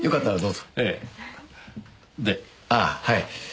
ああはい。